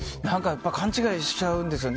やっぱり勘違いしちゃうんですよ。